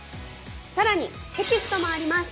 更にテキストもあります。